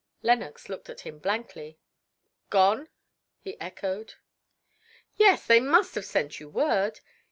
Lenox looked at him blankly. "Gone," he echoed. "Yes, they must have sent you word.